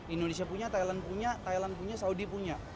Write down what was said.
indonesia punya thailand punya thailand punya saudi punya